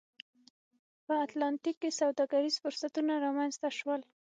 په اتلانتیک کې سوداګریز فرصتونه رامنځته شول